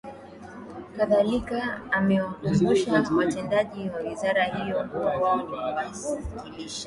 Kadhalika amewakumbusha watendaji wa wizara hiyo kuwa wao ni wawakilishi